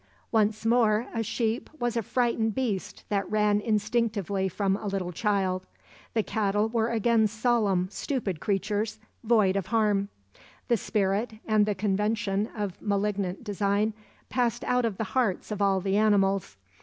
Once more a sheep was a frightened beast that ran instinctively from a little child; the cattle were again solemn, stupid creatures, void of harm; the spirit and the convention of malignant design passed out of the hearts of all the animals.